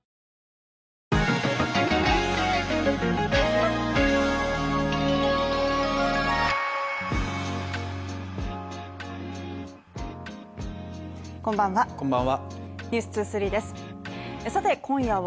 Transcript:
こんばんは。